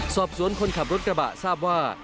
สอบสวนคนขับรถกระบะทราบว่า